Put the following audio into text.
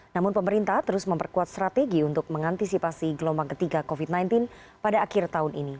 namun pemerintah terus memperkuat strategi untuk mengantisipasi gelombang ketiga covid sembilan belas pada akhir tahun ini